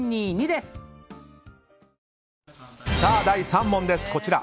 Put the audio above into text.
第３問です。